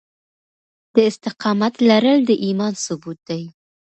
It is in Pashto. د استقامت لرل د ايمان ثبوت دی.